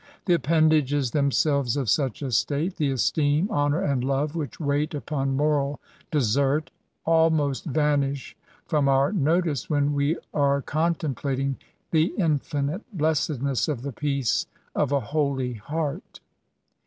The appendages themselves of such a state— the esteem, honour, and love which wait upon moral desert — almost vanish from our notice when we are con templating the infinite blessedness of the peace of a holy heart.